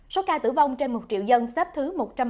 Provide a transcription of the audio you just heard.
số ca tử vong trên một triệu dân xếp thứ một trăm ba mươi ba